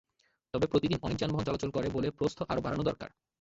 তবে প্রতিদিন অনেক যানবাহন চলাচল করে বলে প্রস্থ আরও বাড়ানো দরকার।